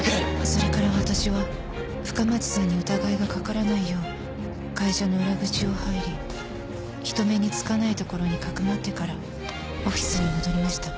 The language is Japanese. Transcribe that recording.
それから私は深町さんに疑いがかからないよう会社の裏口を入り人目につかない所に匿ってからオフィスに戻りました。